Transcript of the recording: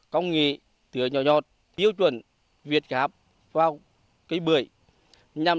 có thể tìm hiệu quả để học tập